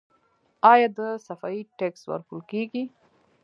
آیا د صفايي ټکس ورکول کیږي؟